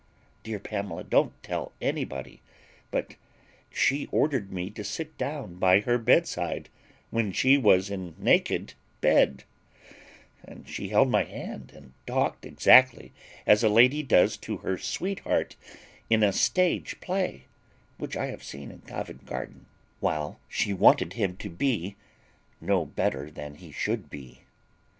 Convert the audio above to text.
Dear Pamela, don't tell anybody; but she ordered me to sit down by her bedside, when she was naked in bed; and she held my hand, and talked exactly as a lady does to her sweetheart in a stage play, which I have seen in Covent Garden, while she wanted him to be no better than he should be.